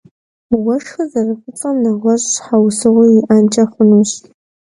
Уэшхыр зэрыфӀыцӀэм нэгъуэщӀ щхьэусыгъуи иӀэнкӀэ хъунущ.